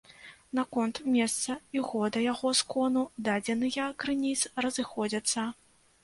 Наконт месца і года яго скону дадзеныя крыніц разыходзяцца.